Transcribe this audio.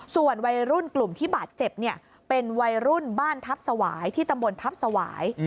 ส่วนวัยรุ่นกลุ่มที่บาดเจ็บเป็นวัยรุ่นบ้านทัพสวายที่ตำบลทัพสวาย